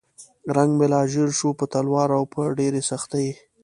رنګ مې لا ژیړ شو په تلوار او په ډېرې سختۍ.